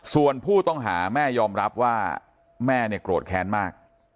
ส่วนผู้ต้องหาแม่ยอมรับว่าแม่เนี่ยโกรธแค้นมาก